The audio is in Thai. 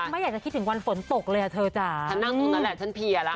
ไม่อยากจะคิดถึงวันฝนตกเลยอ่ะเธอจ้ะฉันนั่งตรงนั้นแหละฉันเพลียแล้ว